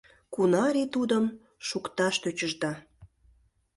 Кунар ий тудым шукташ тӧчышда?